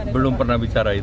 belum pernah bicara itu